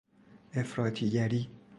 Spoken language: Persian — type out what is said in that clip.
افراطی گری